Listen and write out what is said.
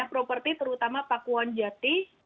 property terutama pakuwan jati